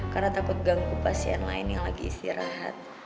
karena takut ganggu pasien lain yang lagi istirahat